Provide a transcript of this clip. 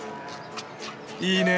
いいね！